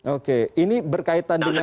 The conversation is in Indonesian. oke ini berkaitan dengan